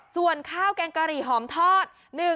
ส่วนข้าวแกงกะหรี่หอมทอด